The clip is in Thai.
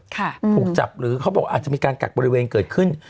ถูกจับหรือเขาบอกอาจจะมีการกักบริเวณเกิดขึ้น